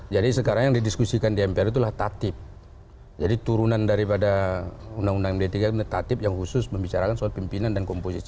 jadi sekarang yang didiskusikan di mpr itulah tatip jadi turunan daripada undang undang md tiga ini tatip yang khusus membicarakan soal pimpinan dan komposisi